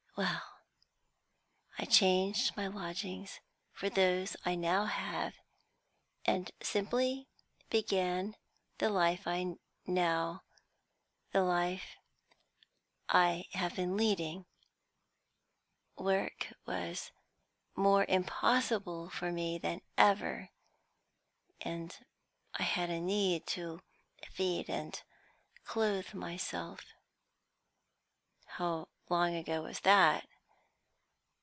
Well, I changed my lodgings for those I now have, and simply began the life I now the life I have been leading. Work was more impossible for me than ever, and I had to feed and clothe myself." "How long ago was that?"